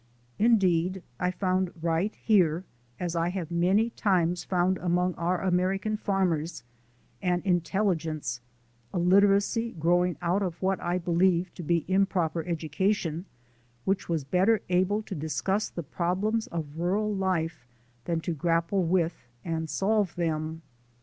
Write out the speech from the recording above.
Indeed, I found right here, as I have many times found among our American farmers, an intelligence (a literacy growing out of what I believe to be improper education) which was better able to discuss the problems of rural life than to grapple with and solve them.